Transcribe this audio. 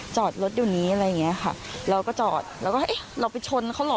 จอดรถอยู่นี้อะไรอย่างเงี้ยค่ะเราก็จอดแล้วก็เอ๊ะเราไปชนเขาเหรอ